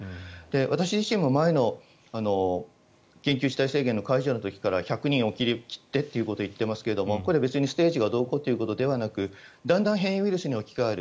私自身も前の緊急事態宣言の解除の時から１００人を切ってということを言っていますがこれはステージがどうということではなくてだんだん変異ウイルスに置き換わる。